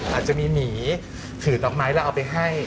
อาจจะมีหมีถือดอกไม้แล้วเอาไปให้